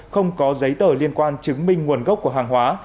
không có giấy tờ liên quan chứng minh nguồn gốc của hàng hóa